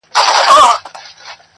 مه ئې واده، مه ئې نوم.